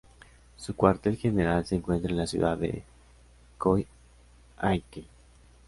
Su cuartel general se encuentra en la ciudad de Coyhaique.